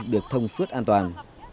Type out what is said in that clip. được thông suốt an toàn